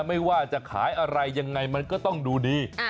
ไม่ว่าจะขายอะไรยังไงมันก็ต้องดูดี